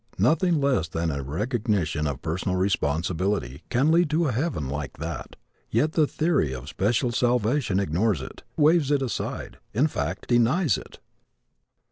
Nothing less than a recognition of personal responsibility can lead to a heaven like that. Yet the theory of special salvation ignores it, waves it aside in fact denies it!